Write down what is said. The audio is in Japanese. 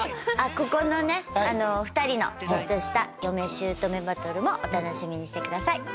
ここのね２人のちょっとした嫁姑バトルもお楽しみにしてください。